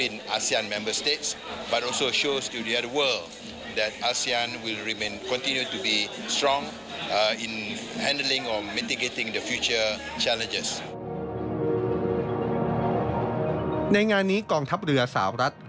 ในงานนี้กองทัพเรือสาวรัฐ